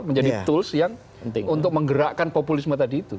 menjadi tools yang untuk menggerakkan populisme tadi itu